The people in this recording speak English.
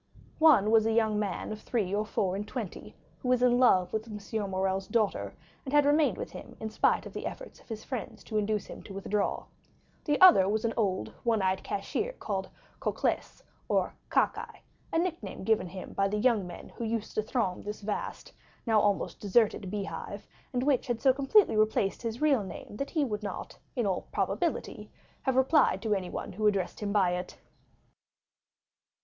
One was a young man of three or four and twenty, who was in love with M. Morrel's daughter, and had remained with him in spite of the efforts of his friends to induce him to withdraw; the other was an old one eyed cashier, called "Cocles," or "Cock eye," a nickname given him by the young men who used to throng this vast now almost deserted bee hive, and which had so completely replaced his real name that he would not, in all probability, have replied to anyone who addressed him by it.